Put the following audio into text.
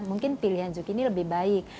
mungkin pilihan sukini lebih baik